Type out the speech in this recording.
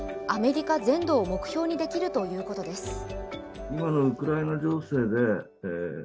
アメリカ全土を目標にできるということです。